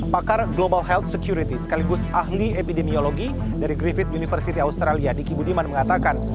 pakar global health security sekaligus ahli epidemiologi dari griffith university australia diki budiman mengatakan